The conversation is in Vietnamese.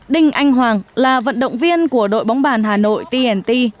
đinh anh hoàng là vận động viên của đội bóng bàn hà nội tnt